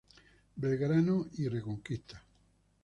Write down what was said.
Belgrano y Reconquista.